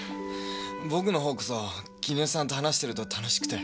僕の方こそ絹代さんと話してると楽しくて。